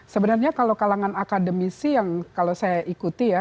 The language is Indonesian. sebenarnya kalau kalangan akademisi yang kalau saya ikuti ya